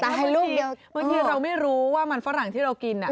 ตายลูกเดียวใช่มึงที่เราไม่รู้ว่ามันฝรั่งที่เรากิน